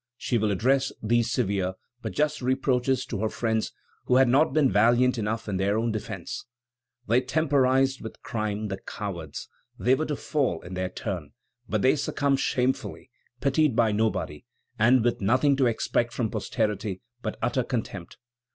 She will address these severe but just reproaches to her friends who had not been valiant enough in their own defence: "They temporized with crime, the cowards! They were to fall in their turn, but they succumb shamefully, pitied by nobody, and with nothing to expect from posterity but utter contempt....